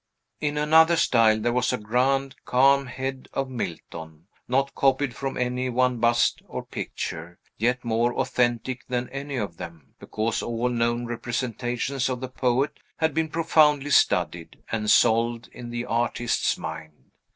In another style, there was a grand, calm head of Milton, not copied from any one bust or picture, yet more authentic than any of them, because all known representations of the poet had been profoundly studied, and solved in the artist's mind.